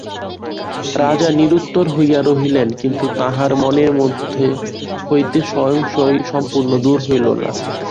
রাজা নিরুত্তর হইয়া রহিলেন কিন্তু তাঁহার মনের মধ্য হইতে সংশয় সম্পূর্ণ দূর হইল না।